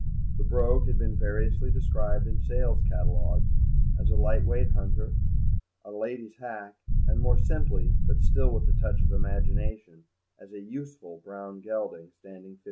The Brogue had been variously described in sale catalogues as a light weight hunter, a lady's hack, and, more simply, but still with a touch of imagination, as a useful brown gelding, standing 15.